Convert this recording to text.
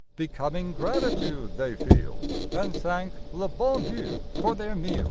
Becoming gratitude they feel. And thank le bon Dieii for their meal.